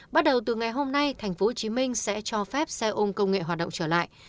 bắt đầu từ ngày hôm nay tp hcm sẽ cho phép xe ôm công nghệ hoạt động trở lại